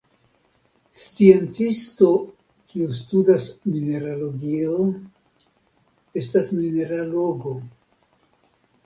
Sciencisto kiu studas mineralogio estas mineralogo.